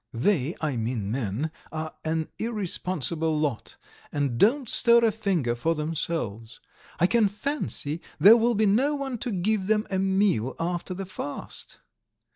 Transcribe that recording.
"They, I mean men, are an irresponsible lot, and don't stir a finger for themselves. I can fancy there will be no one to give them a meal after the fast!